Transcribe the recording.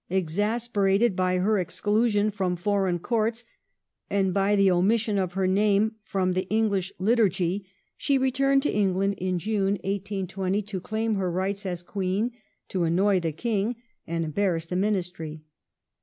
Exasperated by her exclusion from Foreign Courts, and by the omission of her name from the English Liturgy, she returned to England in June, 1820, to claim her rights as Queen, to annoy the King, and embarrass the Ministry.